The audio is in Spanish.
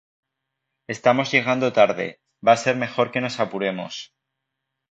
Estamos llegando tarde, va a ser mejor que nos apuremos.